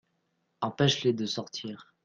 Empêche-les de sortir.